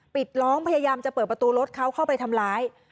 ปิดล้อมพยายามจะเปิดประตูรถเขาเข้าไปทำร้าย